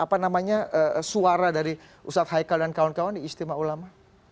apa namanya suara dari ustadz haikal dan kawan kawan di istimewa ulama